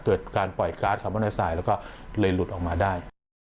เกิดการปล่อยการท์คาร์มอนไอซายแล้วก็เลยหลุดออกมาได้